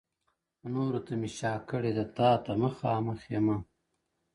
• نورو ته مي شا کړې ده تاته مخامخ یمه ـ